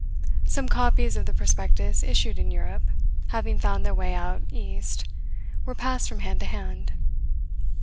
Some copies of the prospectus issued in Europe, having found their way out East, were passed from hand to hand.